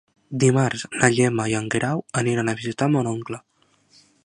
Dimarts na Gemma i en Guerau aniran a visitar mon oncle.